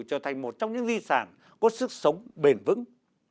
trở thành một trong những di sản có sức sống bền vững